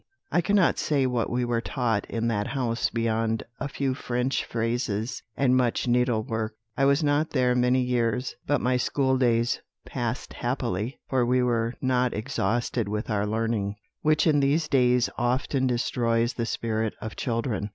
"I cannot say what we were taught in that house beyond a few French phrases and much needlework. I was not there many years, but my school days passed happily, for we were not exhausted with our learning, which in these days often destroys the spirit of children.